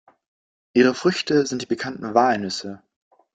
Ihre Früchte sind die bekannten Walnüsse.